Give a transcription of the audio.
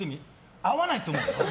合わないと思う。